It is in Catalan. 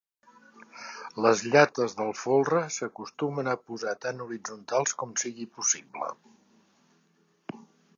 Les llates del folre s'acostumen a posar tan horitzontals com sigui possible.